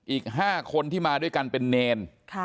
อีก๕คนที่มาด้วยกันเป็นเนร